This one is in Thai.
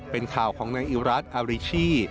เป็นข่าวของในอิรัตอาริชี